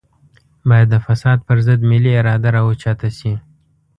بايد د فساد پر ضد ملي اراده راوچته شي.